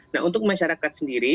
nah untuk masyarakat sendiri